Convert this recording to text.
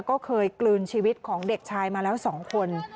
ก็เคยกลืนชีวิตของเด็กชายมาแล้ว๒คน